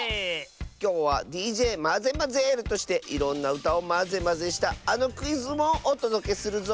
きょうはＤＪマゼマゼールとしていろんなうたをマゼマゼしたあのクイズもおとどけするぞ！